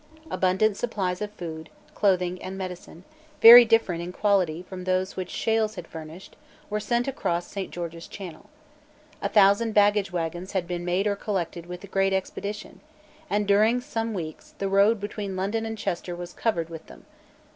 Abundant supplies of food, clothing and medicine, very different in quality from those which Shales had furnished, were sent across Saint George's Channel. A thousand baggage waggons had been made or collected with great expedition; and, during some weeks, the road between London and Chester was covered with them.